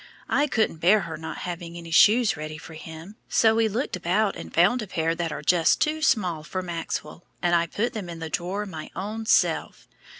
I couldn't bear her not having any shoes ready for him, so we looked about and found a pair that are just too small for Maxwell, and I put them in the drawer my own self.